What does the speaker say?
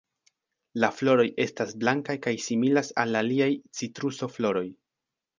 La floroj estas blankaj kaj similas al la aliaj "Citruso"-floroj.